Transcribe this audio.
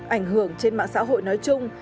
ảnh hưởng trên mạng xã hội nói chung